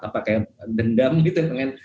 apa kayak dendam gitu yang pengen